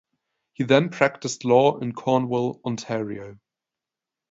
He then practiced law in Cornwall, Ontario.